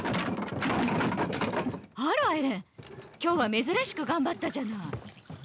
あらエレン今日は珍しく頑張ったじゃない。